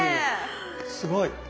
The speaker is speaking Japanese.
すごい。